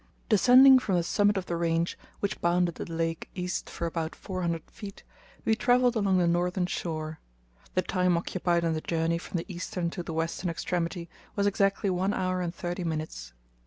Descending from the summit of the range, which bounded the lake east for about four hundred feet, we travelled along the northern shore. The time occupied in the journey from the eastern to the western extremity was exactly one hour and thirty minutes.